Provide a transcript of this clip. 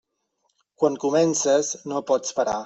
Quan comences, no pots parar.